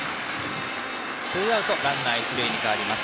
ツーアウトランナー、一塁に変わります。